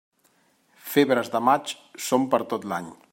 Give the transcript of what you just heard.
Febres de maig, són per tot l'any.